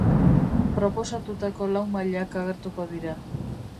Proposatutako lau mailak agertuko dira.